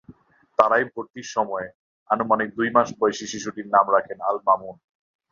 তাঁরাই ভর্তির সময় আনুমানিক দুই মাস বয়সী শিশুটির নাম রাখেন আল-মামুন।